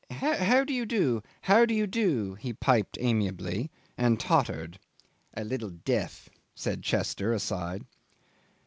"How do you do? how do you do?" he piped amiably, and tottered. "A little deaf," said Chester aside.